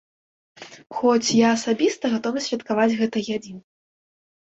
Хоць я асабіста гатовы святкаваць гэта і адзін.